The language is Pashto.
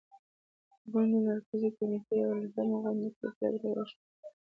د ګوند مرکزي کمېټې په یوولسمه غونډه کې پرېکړه وشوه.